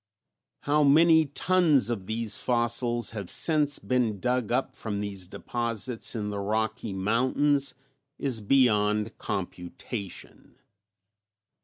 How many tons of these fossils have since been dug up from these deposits in the Rocky Mountains is beyond computation.